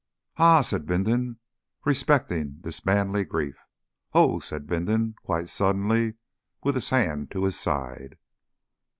"Ah!" said Bindon, respecting this manly grief. "Oh!" said Bindon quite suddenly, with his hand to his side.